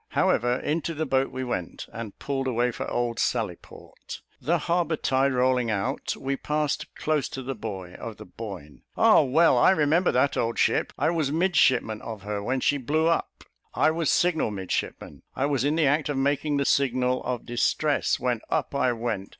However, into the boat we went, and pulled away for old Sally port. The harbour tide rolling out, we passed close to the buoy of the Boyne. "Ah! well I remember that old ship; I was midshipman of her when she blew up. I was signal midshipman. I was in the act of making the signal of distress, when up I went.